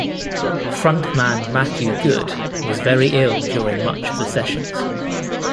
Front-man Matthew Good was very ill during much of the sessions.